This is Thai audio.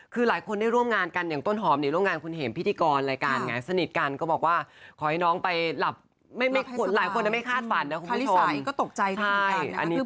คือหลายคนได้ร่วมงานกันอย่างต้นหอมเนี่ยร่วมงานคุณเห็นพิธีกรรายการไงสนิทกันก็บอกว่าขอให้น้องไปหลับไม่คนไม่คาดฝันนะคุณผู้ชมก็ตกใจให้กันอันนี้ตรงตามมันตก